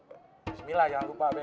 bismillah jangan lupa be